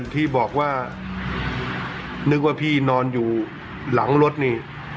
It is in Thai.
ที่บอกว่านึกว่าพี่นอนอยู่หลังรถนี่